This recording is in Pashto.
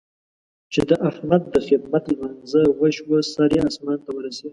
چې د احمد د خدمت لمانځه شوه؛ سر يې اسمان ته ورسېد.